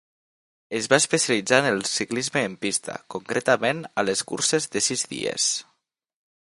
Es va especialitzar en el ciclisme en pista concretament a les curses de sis dies.